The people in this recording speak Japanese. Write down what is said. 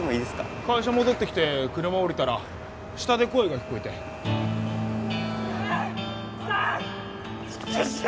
会社戻ってきて車降りたら下で声が聞こえてチクショウ！